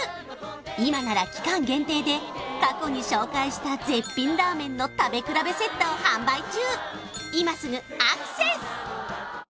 今なら期間限定で過去に紹介した絶品ラーメンの食べ比べセットを販売中